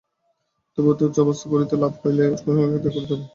তবুও অতি উচ্চ অবস্থা লাভ করিতে হইলে এই কুসংস্কার ত্যাগ করিতেই হইবে।